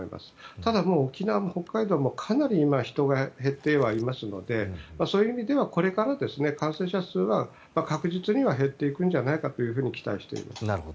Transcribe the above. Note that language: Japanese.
ただ、沖縄も北海道もかなり今は人が減ってはいますのでそういう意味ではこれから感染者数は確実には減っていくんじゃないかというふうに期待しています。